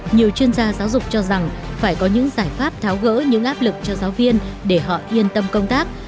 nhiều chuyên gia giáo dục cho rằng phải có những giải pháp tháo gỡ những áp lực cho giáo viên để họ yên tâm công tác